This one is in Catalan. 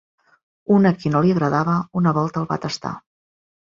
Un a qui no li agradava, una volta el va tastar;